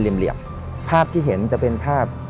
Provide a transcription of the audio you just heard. เหลี่ยมภาพที่เห็นจะเป็นภาพ